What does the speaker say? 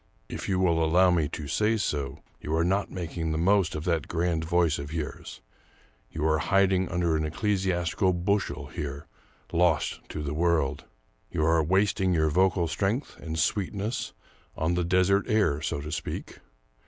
If you will allow me to say so, you are not making the most of that grand voice of yours ; you are hid den under an ecclesiastical bushel here — lost to the world. You are wasting your vocal strength and sweetness on the desert air, so to speak.